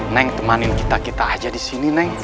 neng temanin kita kita aja disini neng